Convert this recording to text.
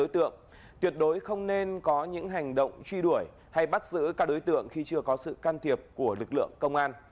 tuyệt đối không nên có những hành động truy đuổi hay bắt giữ các đối tượng khi chưa có sự can thiệp của lực lượng công an